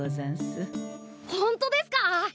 ほんとですか！？